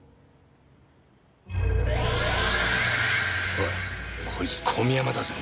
おいこいつ小見山だぜ！